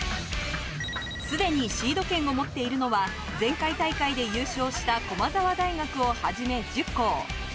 すでにシード権を持っているのは前回大会で優勝した駒澤大学をはじめ１０校。